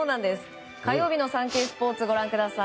火曜日のサンケイスポーツご覧ください。